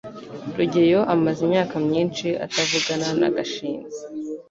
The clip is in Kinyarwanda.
rugeyo amaze imyaka myinshi atavugana na gashinzi